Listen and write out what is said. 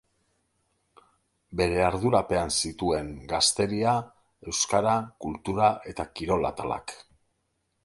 Bere ardurapean zituen Gazteria, Euskara, Kultura eta Kirol atalak.